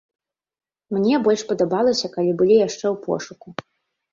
Мне больш падабалася, калі былі яшчэ ў пошуку.